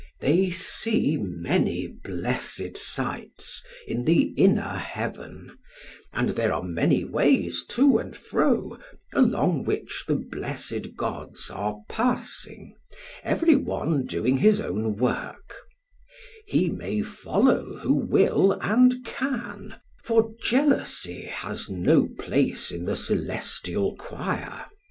They see many blessed sights in the inner heaven, and there are many ways to and fro, along which the blessed gods are passing, every one doing his own work; he may follow who will and can, for jealousy has no place in the celestial choir.